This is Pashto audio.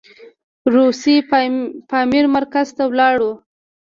روسي پامیر مرکز ته ولاړو.